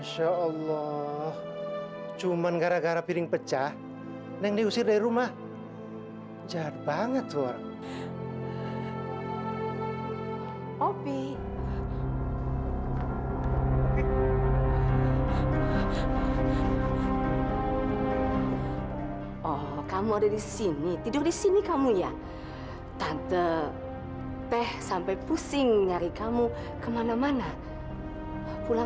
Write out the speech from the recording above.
saya harus berterima kasih karena